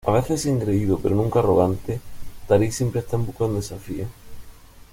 A veces engreído, pero nunca arrogante, Tariq siempre está en busca de un desafío.